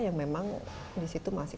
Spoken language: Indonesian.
yang memang di situ masih